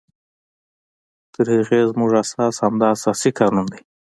تر هغې زمونږ اساس همدا اساسي قانون دی